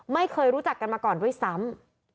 ไม่เคยรู้จักกันมาก่อนด้วยซ้ำ